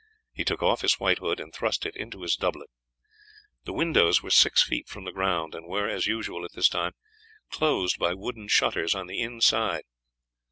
He took off his white hood and thrust it into his doublet. The windows were six feet from the ground, and were, as usual at this time, closed by wooden shutters on the inside.